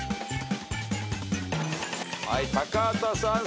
はい高畑さん